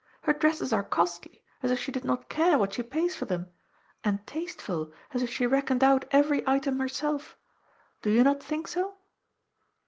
Her dresses are costly, as if she did not care what she pays for them, and tasteful, as if she reckoned out every item herself. Do you not think so